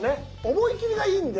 思い切りがいいんで。